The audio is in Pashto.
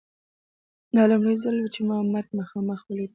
دا لومړی ځل و چې ما مرګ مخامخ ولید